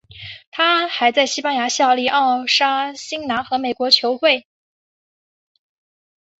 他还在西班牙效力奥沙辛拿和美国球会。